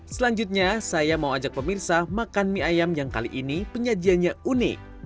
selanjutnya saya mau ajak pemirsa makan mie ayam yang kali ini penyajiannya unik